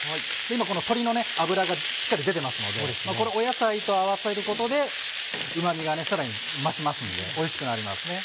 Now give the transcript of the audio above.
今この鶏の脂がしっかり出てますのでこれ野菜と合わさることでうま味がさらに増しますのでおいしくなりますね。